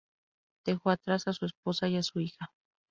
Dejó atrás a su esposa y a su hija.